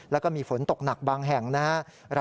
แล้วก็มีฝนตกหนักบางแห่งนะครับ